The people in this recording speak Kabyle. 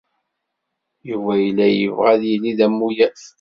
Yuba yella yebɣa ad yili d amuyaf.